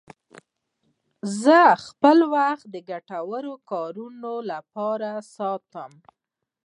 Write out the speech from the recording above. زه خپل وخت د ګټورو کارونو لپاره ساتم.